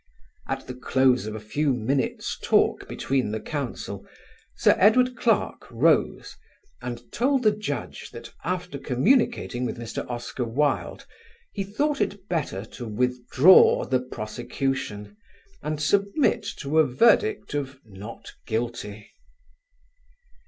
At the close of a few minutes' talk between the counsel, Sir Edward Clarke rose and told the Judge that after communicating with Mr. Oscar Wilde he thought it better to withdraw the prosecution and submit to a verdict of "not guilty."